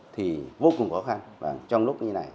thì vô cùng khó khăn trong lúc như này